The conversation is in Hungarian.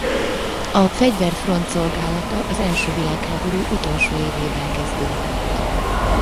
A fegyver frontszolgálata az első világháború utolsó évében kezdődött.